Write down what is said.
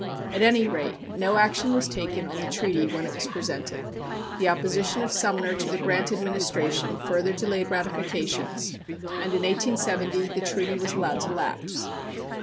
At any rate, no action was taken on the treaty when it was presented. The opposition of Sumner to the Grant administration further delayed ratifications, and, in 1870, the treaty was allowed to lapse.